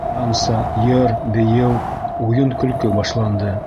Танса, йыр, бейеү, уйын-көлкө башланды.